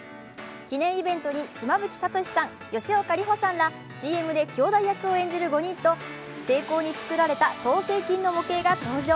記念イベントに妻夫木聡さん、吉岡里帆さんらＣＭできょうだい役を演じる５人と精巧に作られた当せん金の模型が登場。